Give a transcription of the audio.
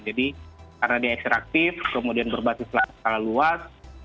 jadi karena dia ekstraktif kemudian berbasis lahan secara luas